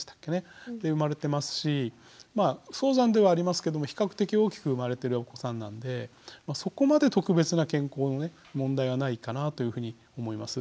で生まれてますしまあ早産ではありますけども比較的大きく生まれてるお子さんなんでそこまで特別な健康の問題はないかなというふうに思います。